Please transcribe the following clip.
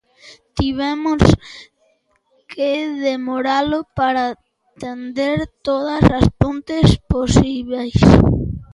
Tivemos que demoralo para tender todas as pontes posíbeis.